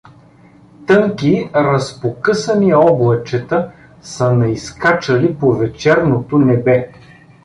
Тънки разпокъсани облачета са наизскачали по вечерното небе.